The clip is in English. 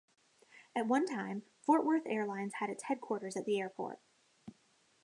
At one time Fort Worth Airlines had its headquarters at the airport.